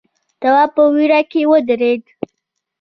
تواب په وېره کې ودرېد.